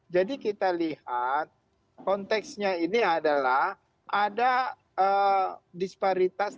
jadi kita lihat konteksnya ini adalah ada disparitas